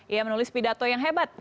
ia menulis pidato yang hebat